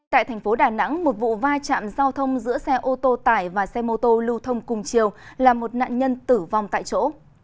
tại thành phố đà nẵng một vụ vai trạm giao thông giữa xe ô tô tải và xe mô tô lưu thông cùng chiều là một nạn nhân tử vong tại chỗ